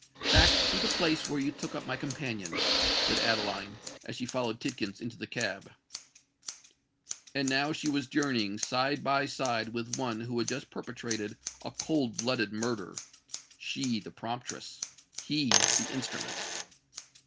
"Back to the place where you took up my companion," said Adeline, as she followed Tidkins into the cab. And now she was journeying side by side with one who had just perpetrated a cold blooded murder,—she the promptress—he the instrument!